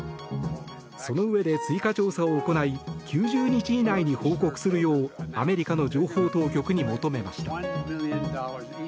そのうえで追加調査を行い９０日以内に報告するようアメリカの情報当局に求めました。